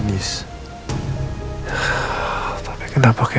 gue pikir peneror itu akan terungkap dengan gue menemui deniz